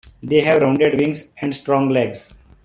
They have rounded wings and strong legs.